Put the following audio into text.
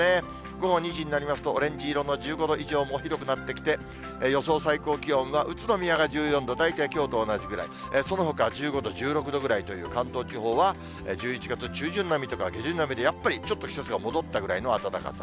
午後２時になりますと、オレンジ色の１５度以上も広くなってきて、予想最高気温は宇都宮が１４度、大体きょうと同じくらい、そのほか１５度、１６度ぐらいという、関東地方は１１月中旬並みとか、下旬並みでやっぱりちょっと季節が戻ったぐらいの暖かさ。